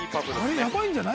やばいんじゃない？